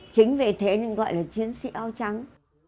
chính vì thế nhưng gọi là chiến sĩ áo trắng